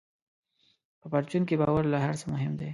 په پرچون کې باور له هر څه مهم دی.